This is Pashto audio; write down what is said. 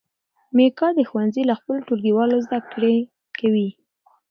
میکا د ښوونځي له خپلو ټولګیوالو زده کړې کوي.